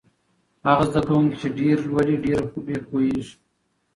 هغه زده کوونکی چې ډېر لولي ډېر پوهېږي.